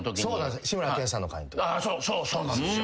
そうなんですよ。